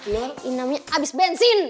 neng ini namanya abis bensin